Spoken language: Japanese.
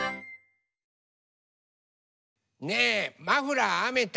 ねえマフラーあめた？